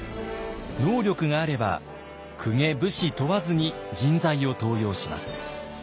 能力があれば公家武士問わずに人材を登用します。